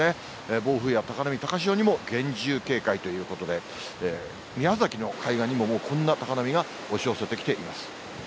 暴風や高波、高潮にも厳重警戒ということで、宮崎の海岸にも、もうこんな高波が押し寄せてきています。